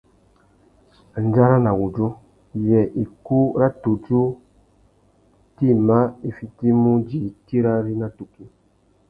Andjara na wudjú : yê ikú râ tudju tïma i fitimú udjï tirari na tukí ?